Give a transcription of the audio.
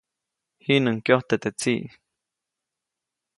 Jiʼnuŋ kyojtje teʼ tsiʼ.